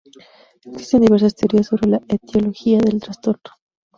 Existen diversas teorías sobre la etiología del trastorno.